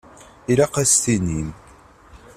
Ilaq ad as-tinim.